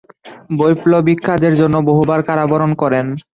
বৈপ্লবিক কাজের জন্য বহুবার কারাবরণ করেন।